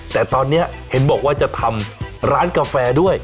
แต่ตอนนี้เห็นบอกว่าจะทำร้านกาแฟด้วย